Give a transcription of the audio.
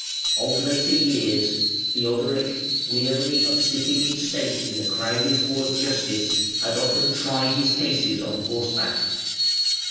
Of later years, Theodoric, weary of sitting in state in the crowded hall of justice, had often tried his cases on horseback.